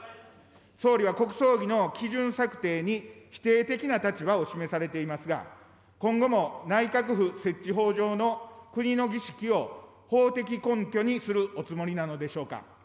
総理は国葬儀の基準策定に否定的な立場を示されていますが、今後も内閣府設置法上の国の儀式を法的根拠にするおつもりなのでしょうか。